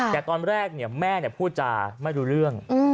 แต่ตอนแรกเนี่ยแม่เนี่ยพูดจาไม่รู้เรื่อง